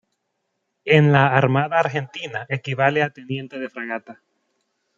En la Armada Argentina equivale a teniente de fragata.